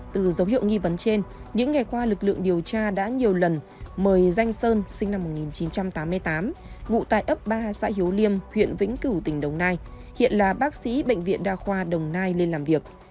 từ dấu hiệu nghi vấn trên những ngày qua lực lượng điều tra đã nhiều lần mời danh sơn sinh năm một nghìn chín trăm tám mươi tám ngụ tại ấp ba xã hiếu liêm huyện vĩnh cửu tỉnh đồng nai hiện là bác sĩ bệnh viện đa khoa đồng nai lên làm việc